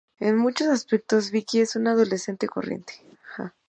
En muchos aspectos, Vicki es una adolescente corriente.